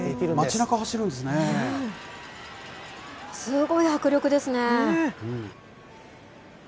すごい迫力ですね。